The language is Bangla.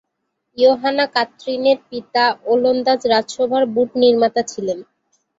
ইয়োহানা-কাত্রিনের পিতা ওলন্দাজ রাজসভার বুট নির্মাতা ছিলেন।